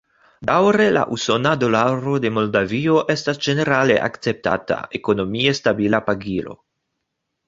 Daŭre la usona dolaro en Moldavio estas ĝenerale akceptata, ekonomie stabila pagilo.